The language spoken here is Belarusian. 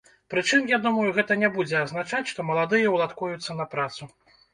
Прычым, я думаю, гэта не будзе азначаць, што маладыя ўладкуюцца на працу.